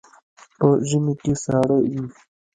په ژمي کې ساړه وي.